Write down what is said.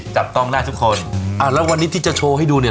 จับต้องได้ทุกคนอ่าแล้ววันนี้ที่จะโชว์ให้ดูเนี่ย